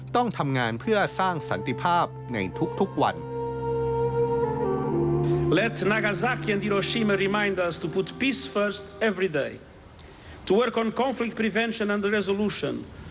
ต้องทำงานเพื่อสร้างสันติภาพในทุกวัน